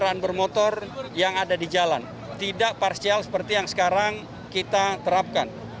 kendaraan bermotor yang ada di jalan tidak parsial seperti yang sekarang kita terapkan